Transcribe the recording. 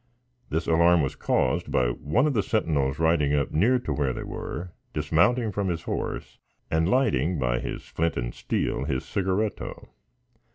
This alarm was caused by one of the sentinels riding up near to where they were, dismounting from his horse and lighting, by his flint and steel, his cigarretto.